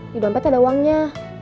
di dompet ada uangnya